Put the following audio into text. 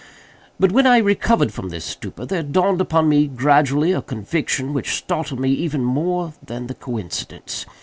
But, when I recovered from this stupor, there dawned upon me gradually a conviction which startled me even far more than the coincidence.